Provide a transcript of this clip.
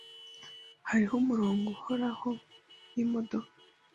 Hariho umurongo uhoraho wimodoka.